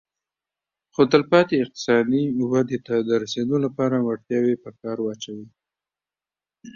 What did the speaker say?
خو تلپاتې اقتصادي ودې ته د رسېدو لپاره وړتیاوې په کار واچوي